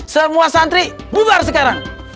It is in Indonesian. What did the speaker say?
semua santri bubar sekarang